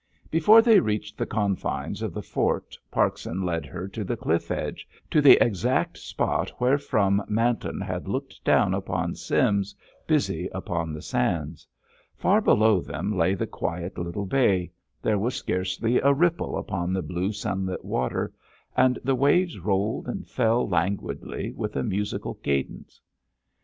Before they reached the confines of the fort Parkson led her to the cliff edge, to the exact spot wherefrom Manton had looked down upon Sims busy upon the sands. Far below them lay the quiet little bay—there was scarcely a ripple upon the blue sunlit water, and the waves rolled and fell languidly with a musical cadence.